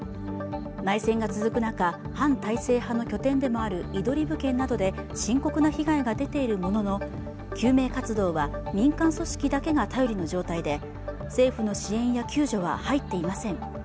内戦が続く中、反体制派の拠点でもあるイドリブ県などで深刻な被害が出ているものの、救命活動は民間組織だけが頼りの状態で政府の支援や救助は入っていません。